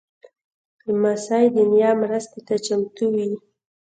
لمسی د نیا مرستې ته چمتو وي.